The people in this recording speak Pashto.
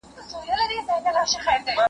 په بریالي څېړونکي کي باید ښه صفتونه موجود وي.